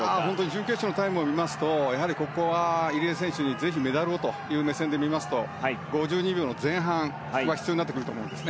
準決勝のタイムを見ますとここは入江選手にぜひ、メダルをという目線で見ますと５２秒の前半は必要になってくると思います。